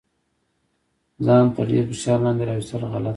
ځان تر ډیر فشار لاندې راوستل غلط دي.